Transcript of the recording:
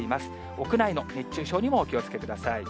屋内の熱中症にもお気をつけください。